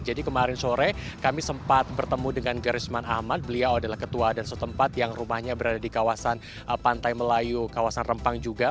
kemarin sore kami sempat bertemu dengan garisman ahmad beliau adalah ketua dan setempat yang rumahnya berada di kawasan pantai melayu kawasan rempang juga